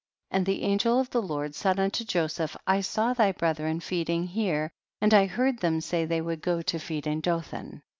and the angel of the Lord said unto Joseph, I saw thy brethren feeding here, and I heard them say they would go to feed in Dothan.